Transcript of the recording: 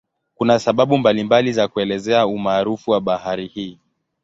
Kuna sababu mbalimbali za kuelezea umaarufu wa bahari hii.